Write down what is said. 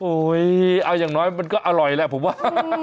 เอาอย่างน้อยมันก็อร่อยแหละผมว่า